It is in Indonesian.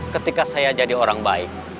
ketika saya jadi orang baik